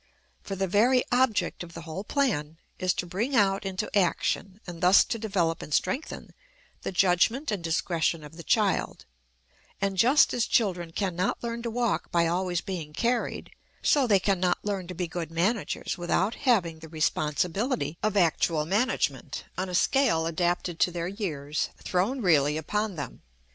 For the very object of the whole plan is to bring out into action, and thus to develop and strengthen, the judgment and discretion of the child; and just as children can not learn to walk by always being carried, so they can not learn to be good managers without having the responsibility of actual management, on a scale adapted to their years, thrown really upon them.